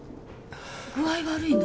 具合悪いの？